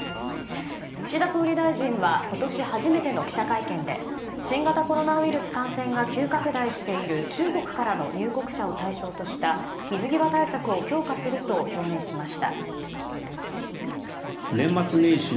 岸田総理大臣は今年初めての記者会見で新型コロナウイルス感染が急拡大している中国からの入国者を対象とした水際対策を強化すると表明しました。